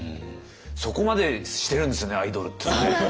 そこまでしてるんですねアイドルってね。